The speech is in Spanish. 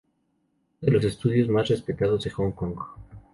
Es uno de los estudiosos más respetados de Hong Kong.